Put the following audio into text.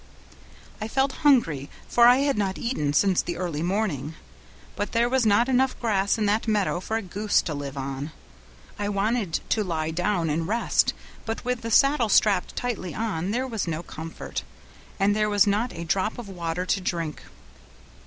I felt hungry, for I had not eaten since the early morning, but there was not enough grass in that meadow for a goose to live on. I wanted to lie down and rest, but with the saddle strapped tightly on there was no comfort, and there was not a drop of water to drink.